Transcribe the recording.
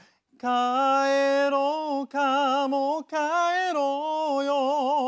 「帰ろうかもう帰ろうよ」